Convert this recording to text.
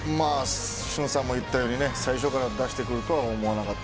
俊輔さんも言ったように最初から出してくるとは思わなかった。